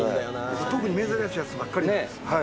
特に珍しいやつばっかりなんです。